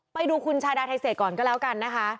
ไปดูคุณชาดาไทเศษก่อนก็แล้วกันนะคะ